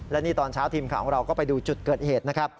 และนี่ตอนเช้าทีมข่าวของเราก็ไปดูจุดเกิดเหตุนะครับ